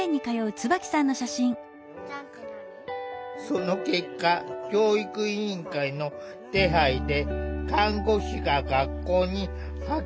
その結果教育委員会の手配で看護師が学校に派遣されることになった。